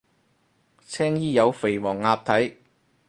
青衣有肥黃鴨睇